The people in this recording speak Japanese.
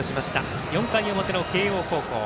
４回の表、慶応高校。